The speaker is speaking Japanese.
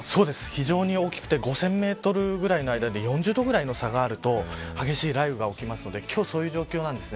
非常に大きくて５０００メートルぐらいで４０度ぐらいの差があると激しい雷雨が起きるので今日は、そういう状況です。